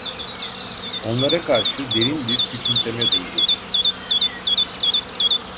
Onlara karşı derin bir küçümseme duydu.